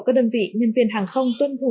các đơn vị nhân viên hàng không tuân thủ